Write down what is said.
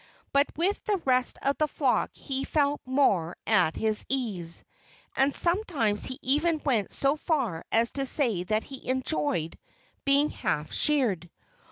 But with the rest of the flock he felt more at his ease. And sometimes he even went so far as to say that he enjoyed being half sheared.